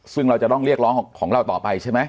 ซึ่งเราจะต้องเรียกร้องของเราต่อไปใช่ไหม